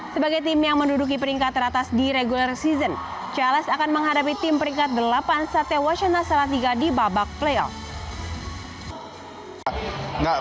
sebagai tim yang menduduki peringkat teratas di regular season cls akan menghadapi tim peringkat delapan sate washina salatiga di babak playoff